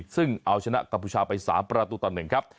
ซึ่งเอาชนะกับผู้ชาวไป๓ประตูตอนหนึ่งครับ